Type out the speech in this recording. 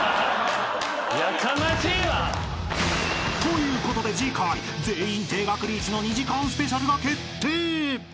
［ということで次回全員停学リーチの２時間スペシャルが決定］